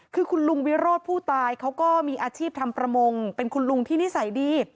คือคุณลุงวิโรธผู้ตายเขาก็มีอาชีพทำประมงเป็นคุณลุงที่นิสัยดี